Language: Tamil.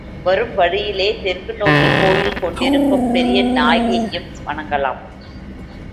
வரும் வழியிலே தெற்கு நோக்கிக் கோயில் கொண்டிருக்கும் பெரிய நாயகியையும் வணங்கலாம்.